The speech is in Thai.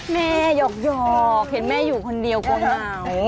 หยอกเห็นแม่อยู่คนเดียวก็เหงา